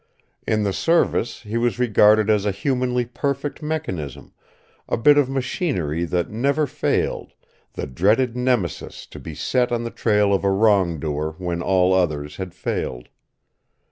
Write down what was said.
In the Service he was regarded as a humanly perfect mechanism, a bit of machinery that never failed, the dreaded Nemesis to be set on the trail of a wrong doer when all others had failed.